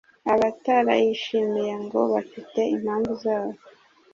abatarayishimiye ngo bafite impamvu zabo